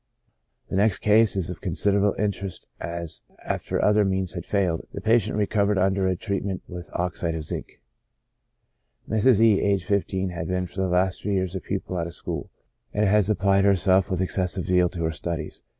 The next case is of considerable interest, as, after other means had failed, the patient recovered under a treatment with oxide of zinc. Miss E —, aged 15, has been for the last three years a pupil at a public school, and has applied herself with excessive zeal to her studies.